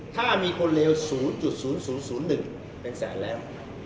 ถ้ามีคนเลว๐๐๑เป็นแสนแล้ว